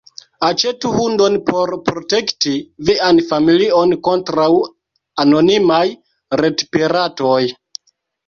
Aĉetu hundon por protekti vian familion kontraŭ anonimaj retpiratoj.